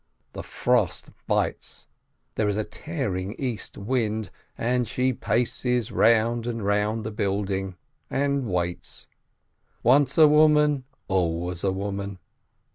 The frost bites, there is a tearing east wind, and she paces round and round the building, and waits. Once a woman, always a woman